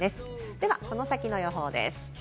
では、この先の予報です。